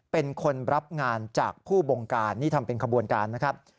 เป็นคนรับงานจากผู้บงการนี่ทำเป็นขบวนการนะครับ